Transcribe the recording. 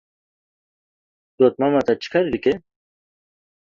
Dotmama te çi karî dike?